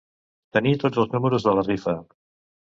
Tenir tots els números de la rifa.